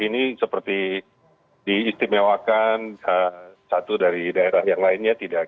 ini seperti diistimewakan satu dari daerah yang lainnya tidak